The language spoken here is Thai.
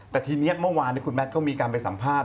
แต่ทีนี้เมื่อวานคุณแมทเขามีการไปสัมภาษณ